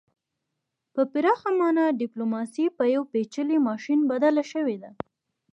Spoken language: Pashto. په پراخه مانا ډیپلوماسي په یو پیچلي ماشین بدله شوې ده